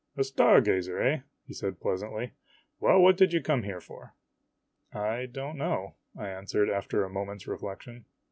"A star gazer, eh?" he said pleasantly. "Well, what did you come here for ?'" I don't know," I answered after a moment's reflection.